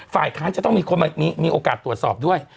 ฝ่ายค้านจะต้องมีคนมีโอกาสตรวจสอบด้วย